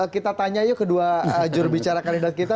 kita tanya yuk kedua jurubicara kandidat kita